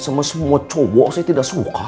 sama semua cowok saya tidak suka